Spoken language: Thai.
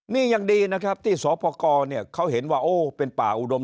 นี่ยังดีนะครับที่สปกรเนี่ยเขาเห็นว่าโอ้เป็นป่าอุดม